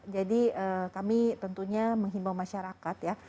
jadi kami tentunya menghimbau masyarakat